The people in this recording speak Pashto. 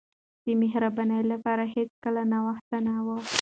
د مهربانۍ لپاره هیڅکله ناوخته نه وي.